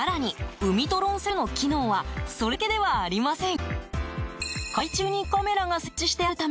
ウミトロンセルの機能はそれだけではありません。